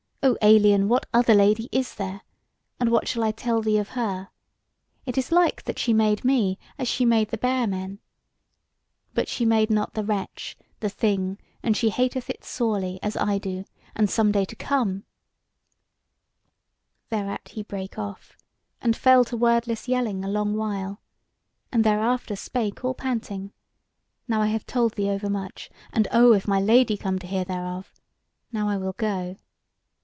O alien, what other Lady is there? And what shall I tell thee of her? it is like that she made me, as she made the Bear men. But she made not the Wretch, the Thing; and she hateth It sorely, as I do. And some day to come " Thereat he brake off and fell to wordless yelling a long while, and thereafter spake all panting: "Now I have told thee overmuch, and O if my Lady come to hear thereof. Now I will go."